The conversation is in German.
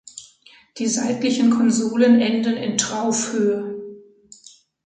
Die seitlichen Konsolen enden in Traufhöhe.